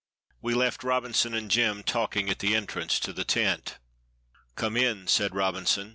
WE left Robinson and Jem talking at the entrance to the tent. "Come in," said Robinson.